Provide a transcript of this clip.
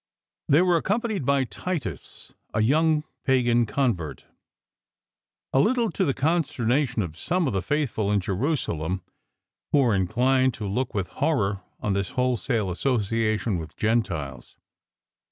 They were accompanied by Titus, a young pagan convert, " a little to the consternation of some of the faithful in Jerusalem who were inclined to look with horror on this wholesale association with Gentiles.